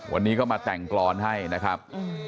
วันนี้ก็มาแต่งกรอนให้นะครับ